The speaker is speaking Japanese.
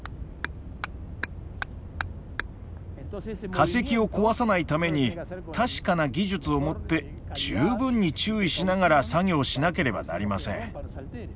化石を壊さないために確かな技術を持って十分に注意しながら作業しなければなりません。